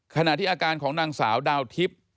ขณะที่อาการของนางสาวดาวทิพย์